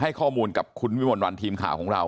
ข้อมูลกับคุณวิมลวันทีมข่าวของเรา